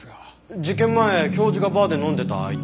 事件前教授がバーで飲んでた相手？